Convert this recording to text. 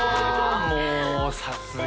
もうさすが。